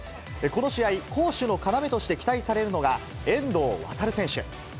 この試合、攻守の要として期待されるのが遠藤航選手。